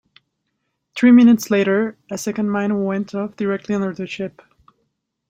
Three minutes later, a second mine went off directly under the ship.